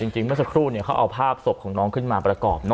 เมื่อสักครู่เขาเอาภาพศพของน้องขึ้นมาประกอบ